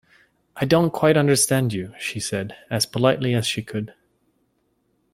‘I don’t quite understand you,’ she said, as politely as she could.